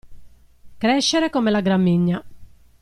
Crescere come la gramigna.